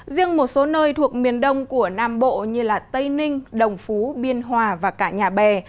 riêng một số nơi thuộc miền đông của nam bộ như tây ninh đồng phú biên hòa và cả nhà bè